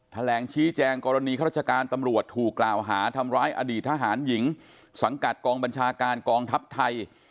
แถลงชี้แจงกรณีข้าราชการตำรวจถูกกล่าวหาทำร้ายอดีตทหารหญิงสังกัดกองบัญชาการกองทัพไทย